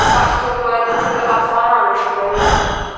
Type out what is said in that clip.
پښتو باید د ټولو افغانانو ژبه وي.